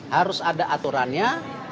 harus ada aturannya